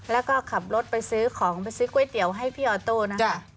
แล้วก็ขับรถไปซื้อของไปซื้อก๋วยเตี๋ยวให้พี่ออโต้นะคะ